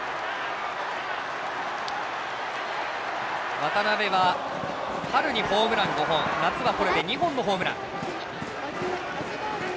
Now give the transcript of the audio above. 渡邉は春にホームラン５本夏はこれで２本のホームラン。